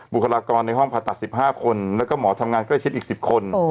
บุคลากรในห้องผ่าตัด๑๕คนแล้วก็หมอทำงานใกล้ชิดอีก๑๐คน